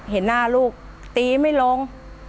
เห็นหน้าลูกตีไม่ลง